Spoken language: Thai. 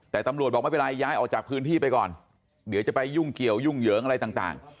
แต่ตำรวจบอกไม่เป็นไรย้ายออกจากพื้นที่ไปก่อนเดี๋ยวจะไปยุ่งเกี่ยวยุ่งเหยิงอะไรต่าง